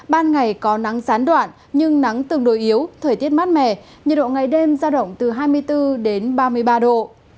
ban ngày có nắng gián đoạn nhưng nắng tương đối yếu thời tiết mát mẻ nhiệt độ ngày đêm ra động từ hai mươi bốn đến ba mươi ba độ